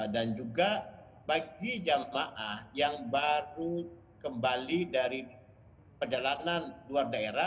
dan juga bagi jamaah yang baru kembali dari perjalanan luar daerah